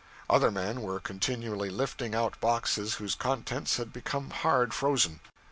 Other men were continually lifting out boxes whose contents had become hard frozen.